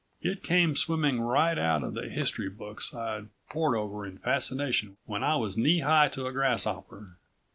It came swimming right out of the history books I'd poured over in fascination when I was knee high to a grasshopper.